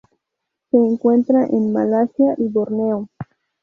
Se encuentra en Malasia y Borneo.